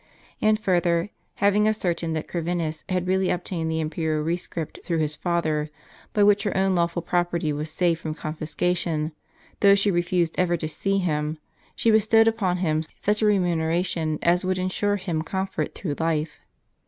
And further, having ascertained that Corvinus had really obtained the imperial rescript, through his father, by which her own lawful property was saved from confiscation, though she refused ever to see him, she bestowed upon him such a remuneration as would ensure him comfort through life.